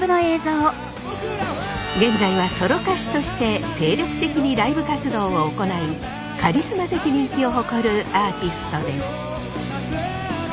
現在はソロ歌手として精力的にライブ活動を行いカリスマ的人気を誇るアーティストです。